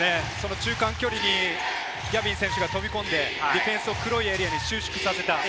中間距離にギャビン選手が飛び込んで、ディフェンスを黒いエリアに収縮させた。